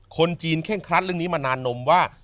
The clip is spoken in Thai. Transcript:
คนจีนเคร่งครัดเรื่องนี้มานานนมว่า